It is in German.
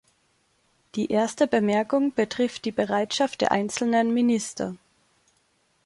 Die erste Bemerkung betrifft die Bereitschaft der einzelnen Minister.